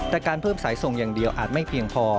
แต่การเพิ่มสายส่งอย่างเดียวอาจไม่เพียงพอ